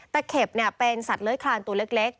ตะเข็บเนี่ยเป็นสัตว์เล้ยคลานตัวเล็ก